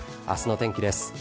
あすの天気です。